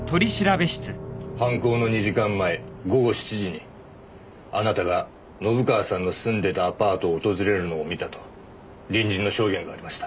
犯行の２時間前午後７時にあなたが信川さんの住んでたアパートを訪れるのを見たと隣人の証言がありました。